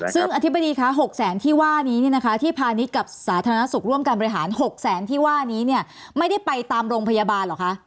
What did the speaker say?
ซึ่งอธิบดีคะ๖แสนที่ว่านี้ที่พาณิชย์กับสาธารณสุขร่วมการบริหาร๖แสนที่ว่านี้เนี่ยไม่ได้ไปตามโรงพยาบาลเหรอคะ